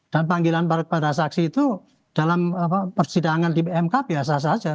dan panggilan pada saksi itu dalam persidangan di mk biasa saja